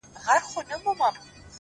هره ورځ د نوي درس فرصت لري’